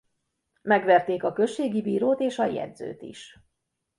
Megverték a községi bírót és a jegyzőt is.